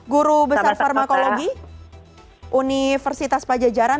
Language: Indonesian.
guru besar farmakologi universitas pajajaran